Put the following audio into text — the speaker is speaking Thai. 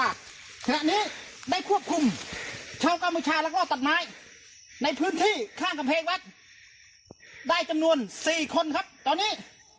ได้จำนวน๔คนครับตอนนี้